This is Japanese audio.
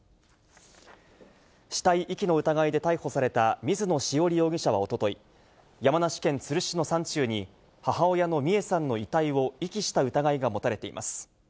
死体遺棄の疑いで逮捕された水野潮理容疑者はおととい、山梨県都留市の山中に、母親の美恵さんの遺体を遺棄した疑いが持たれています。